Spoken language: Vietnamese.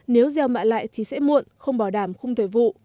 nếu gieo mạ lại thì sẽ muộn không bỏ đảm không thể vụ